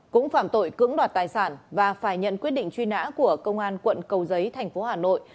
cũng phạm tội cưỡng đoạt tài sản và phải nhận quyết định truy nã của công an quận cầu giấy thành phố hà nội